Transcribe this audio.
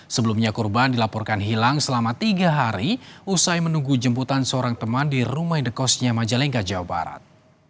sebelumnya korban dilaporkan hilang selama tiga hari usai menunggu jemputan seorang teman di rumah indekosnya majalengka jawa barat